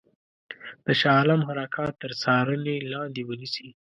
د شاه عالم حرکات تر څارني لاندي ونیسي.